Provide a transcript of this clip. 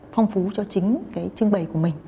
phong phú cho chính cái trưng bày của mình